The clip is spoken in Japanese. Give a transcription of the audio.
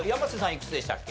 いくつでしたっけ？